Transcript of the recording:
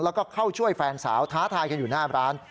แล้วก็เข้าช่วยแฟนสาวท้าทายกันอยู่หน้าร้าน